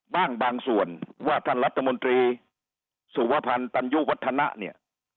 บางส่วนว่าท่านรัฐมนตรีสุวพันธ์ตันยุวัฒนะเนี่ย